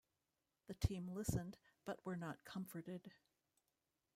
The team listened, but were not comforted.